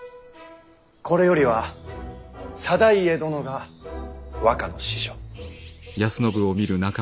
これよりは定家殿が和歌の師匠。